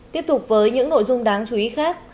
tiếp tục với những nội dung đáng chú ý khác